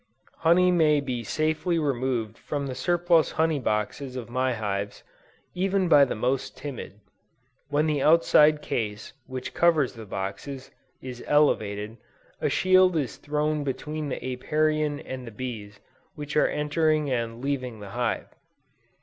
Honey may be safely removed from the surplus honey boxes of my hives, even by the most timid. When the outside case which covers the boxes, is elevated, a shield is thrown between the Apiarian and the bees which are entering and leaving the hive.